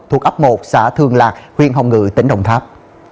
thuộc ấp một xã thương lạc huyện hồng ngự tỉnh đồng tháp